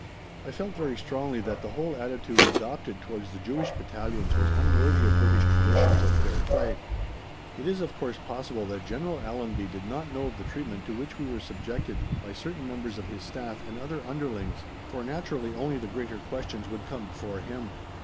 I felt very strongly that the whole attitude adopted towards the Jewish Battalions was unworthy of British traditions of fair play. It is of course possible that General Allenby did not know of the treatment to which we were subjected by certain members of his Staff and other underlings, for naturally only the greater questions would come before him.